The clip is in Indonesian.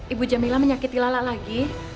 ibu jamila menyakiti lala lagi